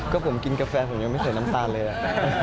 ก็ผมกินกาแฟผมยังไม่ใส่น้ำตาลเลย